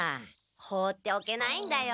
放っておけないんだよ。